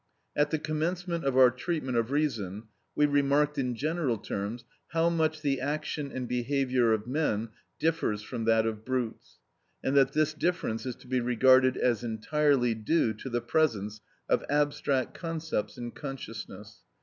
At the commencement of our treatment of reason we remarked, in general terms, how much the action and behaviour of men differs from that of brutes, and that this difference is to be regarded as entirely due to the presence of abstract concepts in consciousness.